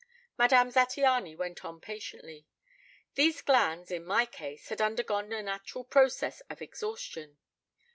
Madame Zattiany went on patiently: "These glands in my case had undergone a natural process of exhaustion.